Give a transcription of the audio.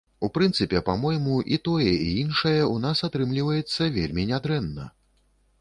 І ў прынцыпе, па-мойму, і тое, і іншае ў нас атрымліваецца вельмі нядрэнна.